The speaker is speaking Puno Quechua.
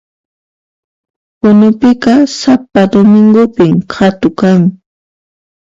Punupiqa sapa domingopin qhatu kan